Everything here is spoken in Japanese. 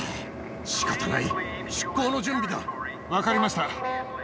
しかたない、出港の分かりました。